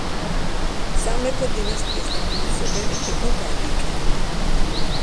სამეფო დინასტიის დამაარსებელი იყო გაგიკი.